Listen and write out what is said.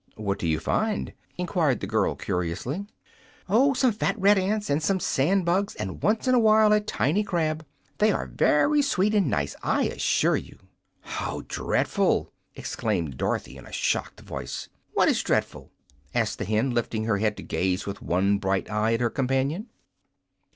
"What do you find?" inquired the girl, curiously. "Oh, some fat red ants, and some sand bugs, and once in a while a tiny crab. They are very sweet and nice, I assure you." "How dreadful!" exclaimed Dorothy, in a shocked voice. "What is dreadful?" asked the hen, lifting her head to gaze with one bright eye at her companion.